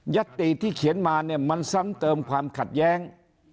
ติที่เขียนมาเนี่ยมันซ้ำเติมความขัดแย้ง